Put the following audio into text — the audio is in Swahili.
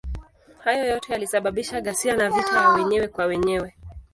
Hayo yote yalisababisha ghasia na vita ya wenyewe kwa wenyewe.